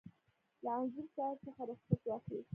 له انځور صاحب څخه رخصت واخیست.